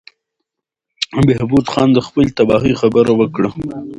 بهبود خان د خپلې تباهۍ خبره وکړه.